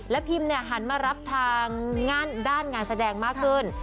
พิมหันมารับทางด้านงานแสดงมากขึ้น